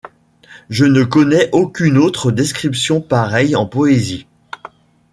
Je ne connais aucune autre description pareille en poésie.